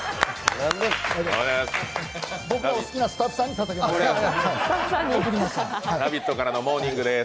僕が好きなスタッフさんにささげます。